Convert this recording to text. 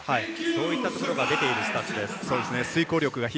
そういったところが出ているスタッツです。